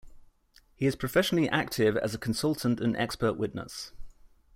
He is professionally active as a consultant and expert witness.